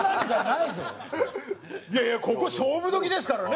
いやいやここ勝負時ですからね。